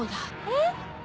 えっ！